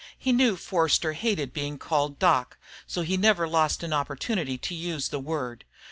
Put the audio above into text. He knew Forster hated being called "Doc," so he never lost an opportunity to use the word.